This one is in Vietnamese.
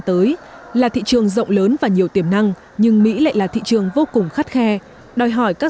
tới là thị trường rộng lớn và nhiều tiềm năng nhưng mỹ lại là thị trường vô cùng khắt khe đòi hỏi các